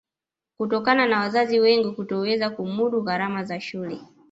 Kutokana na wazazi wengi kutoweza kumudu gharama za shule